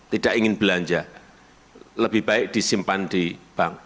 tidak ingin belanja lebih baik disimpan di bank